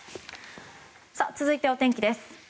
続いてお天気です。